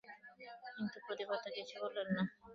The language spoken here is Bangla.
কিন্তু প্রতাপাদিত্য কিছুই বলিলেন না, স্তব্ধ হইয়া বসিয়া রহিলেন।